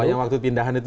banyak waktu pindahan itu